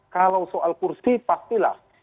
kalau soal kursi pastilah